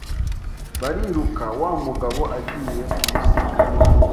Bariruka wa mugabo agiye kumusiga